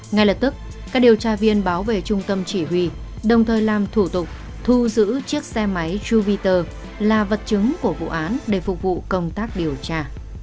ngay lập tức các điều tra viên báo về trung tâm chỉ huy đồng thời làm thủ tục thu giữ chiếc xe máy jupiter là vật chứng của vụ án để phục vụ công tác điều tra